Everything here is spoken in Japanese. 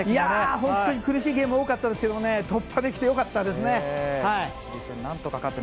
本当に苦しいゲームが多かったですが突破できてよかったですね。